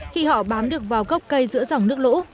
khi họ bám được vào gốc cây giữa dòng nước lũ